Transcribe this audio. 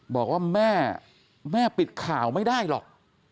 บอกว่าแม่แม่ปิดข่าวไม่ได้หรอก